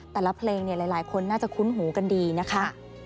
แต่ละเพลงหลายคนน่าจะคุ้นหูกันดีนะคะ